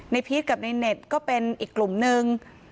พีชกับในเน็ตก็เป็นอีกกลุ่มนึง